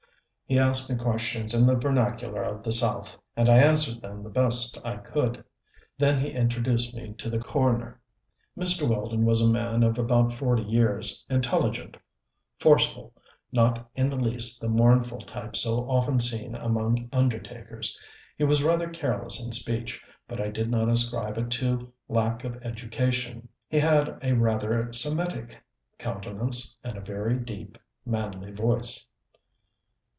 He asked me questions in the vernacular of the South, and I answered them the best I could. Then he introduced me to the coroner. Mr. Weldon was a man of about forty years, intelligent, forceful, not in the least the mournful type so often seen among undertakers. He was rather careless in speech, but I did not ascribe it to lack of education. He had rather a Semitic countenance, and a very deep, manly voice.